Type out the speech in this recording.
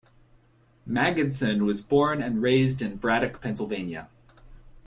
Magidson was born and raised in Braddock, Pennsylvania.